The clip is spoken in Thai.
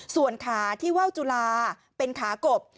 ส่วนขาที่ว่าวจุลาเป็นขากบ